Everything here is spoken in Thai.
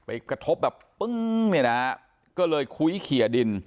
กระทบแบบปึ้งเนี่ยนะฮะก็เลยคุ้ยเขียดิน